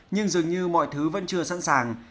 nhưng dường như mọi thứ vẫn chưa sẵn sàng